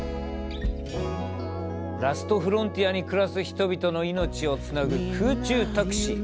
ラストフロンティアに暮らす人々の命をつなぐ空中タクシー。